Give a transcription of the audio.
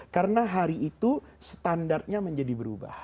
karena hari itu standarnya menjadi berubah